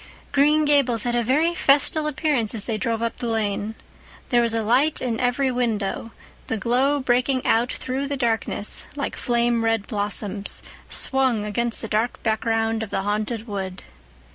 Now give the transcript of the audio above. Green Gables had a very festal appearance as they drove up the lane. There was a light in every window, the glow breaking out through the darkness like flame red blossoms swung against the dark background of the Haunted Wood.